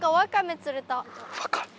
・ワカメ。